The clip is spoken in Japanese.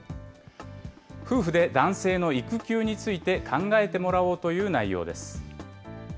夫婦で男性の育休について考えてもらおうという内容です。